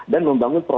dan membangun progres